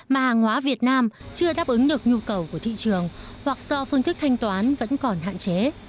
mà hàng hóa việt nam chưa đáp ứng được nhu cầu của thị trường hoặc do phương thức thanh toán vẫn còn hạn chế